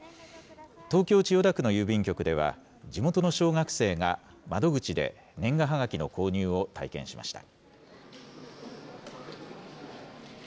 東京・千代田区の郵便局では、地元の小学生が窓口で年賀はがきの購入を体験しました。